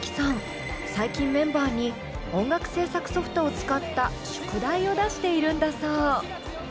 最近メンバーに音楽制作ソフトを使った宿題を出しているんだそう。